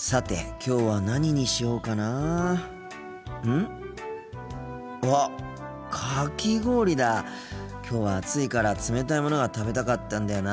きょうは暑いから冷たいものが食べたかったんだよな。